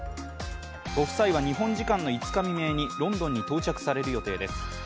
ご夫妻は、日本時間の５日未明にロンドンに到着される予定です。